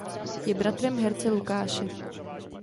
Je bratrem herce Lukáše.